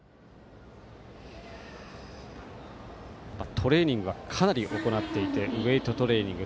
トレーニングはかなり行っていてウエイトトレーニング